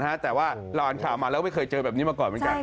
แต่ว่าเราอาจารย์กล่าวมาแล้วไม่เคยเจอแบบนี้มาก่อน